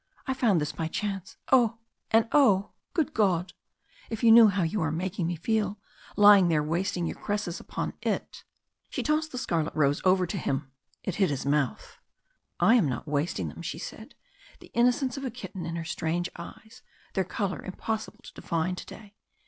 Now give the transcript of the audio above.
I found this by chance. And oh! good God! if you knew how you are making me feel lying there wasting your caresses upon it!" She tossed the scarlet rose over to him; it hit his mouth. "I am not wasting them," she said, the innocence of a kitten in her strange eyes their colour impossible to define to day.